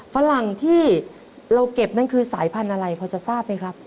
ฝรั่งที่เราเก็บนั่นคือสายพันธุ์อะไรพอจะทราบไหมครับ